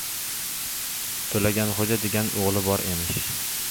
— To‘laganxo‘ja degan o‘g‘li bor emish...